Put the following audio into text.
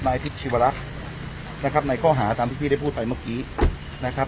ทิพย์ชีวรักษ์นะครับในข้อหาตามที่พี่ได้พูดไปเมื่อกี้นะครับ